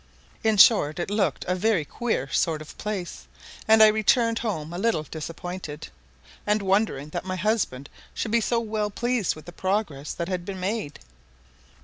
In short, it looked a very queer sort of a place, and I returned home a little disappointed, and wondering that my husband should be so well pleased with the progress that had been made.